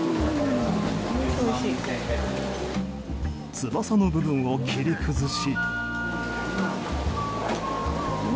翼の部分を切り崩し。